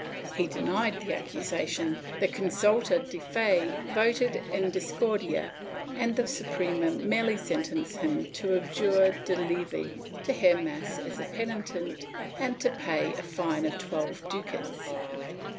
He denied the accusation, the consulta de fe voted in discordia and the Suprema merely sentenced him to abjure de levi, to hear mass as a penitent and to pay a fine of twelve ducats.